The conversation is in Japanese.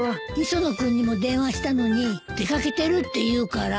磯野君にも電話したのに出掛けてるっていうから。